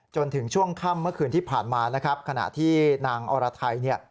จนถึงช่วงค่ำเมื่อคืนที่ผ่านมานะครับขณะที่นางอรไทยเนี่ย